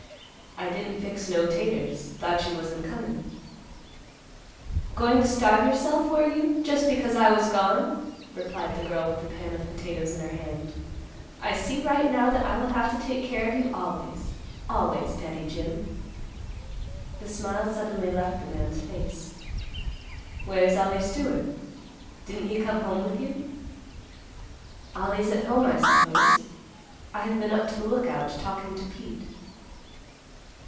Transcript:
"I didn't fix no taters; thought you wasn't comin'." "Going to starve yourself, were you? just because I was gone," replied the girl with a pan of potatoes in her hand. "I see right now that I will have to take care of you always—always, Daddy Jim." The smile suddenly left the man's face. "Where's Ollie Stewart? Didn't he come home with you?" "Ollie's at home, I suppose. I have been up to the Lookout talking to Pete."